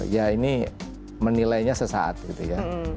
ya ini menilainya sesaat gitu ya